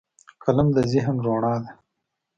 فلم د ذهن رڼا ده